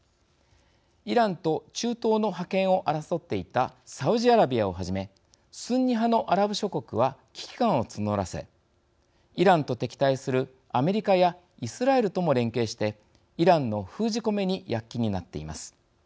イランと中東の覇権を争っていたサウジアラビアをはじめスンニ派のアラブ諸国は危機感を募らせイランと敵対するアメリカやイスラエルとも連携してイランの封じ込めに躍起になっています。